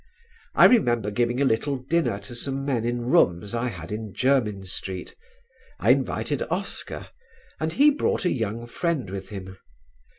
I remember giving a little dinner to some men in rooms I had in Jermyn Street. I invited Oscar, and he brought a young friend with him.